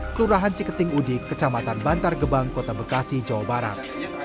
kelurahan ciketing udik kecamatan bantar gebang kota bekasi jawa barat